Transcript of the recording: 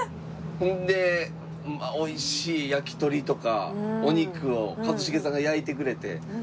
ほんでおいしい焼き鳥とかお肉を一茂さんが焼いてくれて。